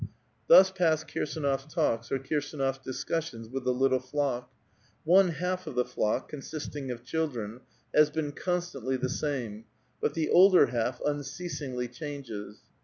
Thus pass KirsAnof's talks, or Kirsdnof's discussions with the little flock ; one half of the flock, con sisting of children, has been constantly the same, but the older half unceasingly changes.